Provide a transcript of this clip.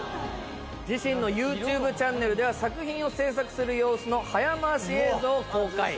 自身のＹｏｕＴｕｂｅチャンネルでは作品を制作する様子の早回し映像を公開。